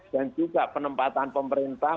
dan juga penempatan pemerintah